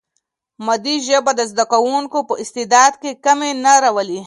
مادي ژبه د زده کوونکي په استعداد کې کمی نه راولي.